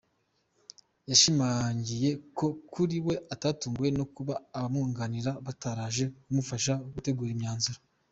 Yashimangiye ko kuri we atatunguwe no kuba abamwunganira bataraje kumufasha gutegura imyanzuro.